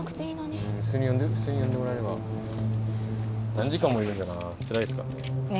何時間もいるんじゃなあつらいっすからね。